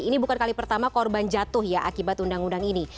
ini bukan kali pertama korban jatuh ya akibat undang undang ini